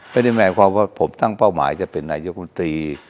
ไม่ได้แม้ว่าผมตั้งเป้าหมายจะเป็นอัยหะคมตรี